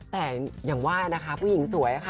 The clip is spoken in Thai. แต่อย่างว่านะคะผู้หญิงสวยค่ะ